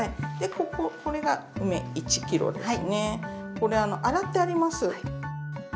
これ洗ってあります。